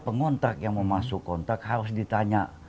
pengontrak yang mau masuk kontrak harus ditanya